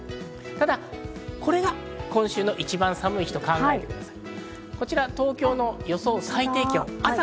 ただこれが今週の一番寒い日と考えてください。